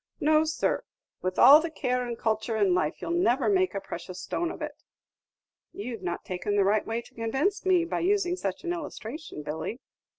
No, sir; with all the care and culture in life, you 'll never make a precious stone of it!" "You've not taken the right way to convince me, by using such an illustration, Billy."